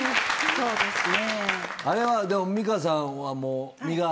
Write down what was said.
そうですか。